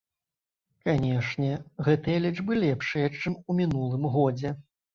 Канешне, гэтыя лічбы лепшыя, чым ў мінулым годзе.